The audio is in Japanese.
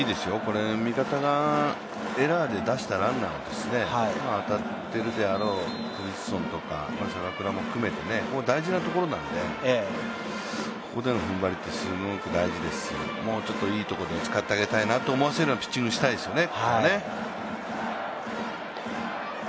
味方がエラーで出したランナーを当たっているであろうブリンソンとか坂倉も含めて大事なところなんでここでのふんばりってすごく大事ですし、もうちょっといいところで使ってあげたいなと思わせるピッチングをしたいですね。